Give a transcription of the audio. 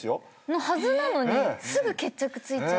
のはずなのにすぐ決着ついちゃうから。